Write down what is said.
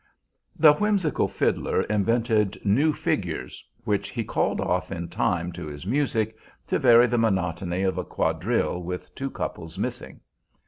The whimsical fiddler invented new figures, which he "called off" in time to his music, to vary the monotony of a quadrille with two couples missing.